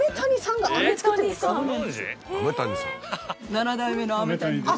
７代目の飴谷です。